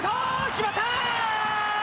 決まった！